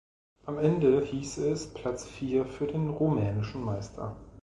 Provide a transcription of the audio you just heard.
Am Ende hieß es Platz vier für den rumänischen Meister.